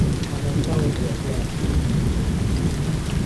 I have found you at last!